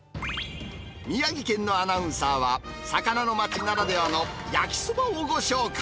宮城県のアナウンサーは魚の町ならではの焼きそばをご紹介。